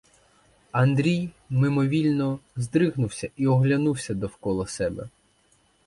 Андрій мимовільно здригнувся і оглянувся довкола себе.